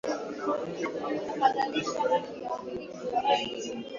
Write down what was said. Waziri wa Mambo ya Nje wa Uganda Henry Okello Oryem alisema